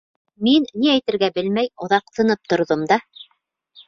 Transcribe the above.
Мин, ни әйтергә белмәй, оҙаҡ тынып торҙом да: